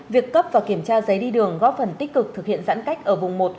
việc cấp và kiểm tra giấy đi đường góp phần tích cực thực hiện giãn cách ở vùng một